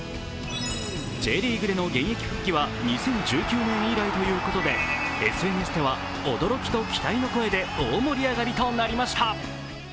Ｊリーグでの現役復帰は２０１９年以来ということでＳＮＳでは驚きと期待の声で大盛り上がりとなりました。